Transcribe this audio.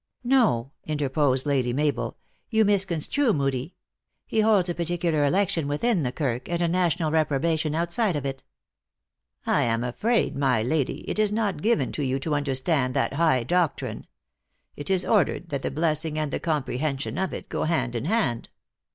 "No," interposed Lady Mabel. " You misconstrue Moodie. He holds a particular election within the Kirk, and a national reprobation outside of it." " I am afraid, my lady, it is not given to you to un 198 THE ACTRESS IN HIGH LIFE. derstand that high doctrine. It is ordered that the O blessing, and the comprehension of it, go hand in hand."